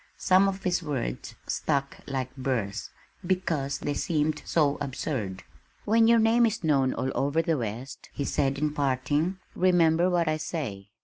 Some of his words stuck like burrs, because they seemed so absurd. "When your name is known all over the West," he said in parting, "remember what I say.